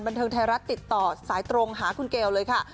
บันเทิงไทยรัฐติดต่อสายตรงหาคุณเกลเลยค่ะ